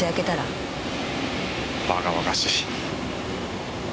バカバカしい。